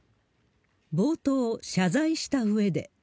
冒頭、謝罪したうえで。